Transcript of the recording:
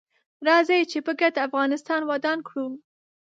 راځي چې په ګډه افغانستان ودان کړو